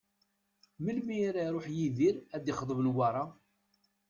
Melmi ara iruḥ Yidir ad d-ixḍeb Newwara?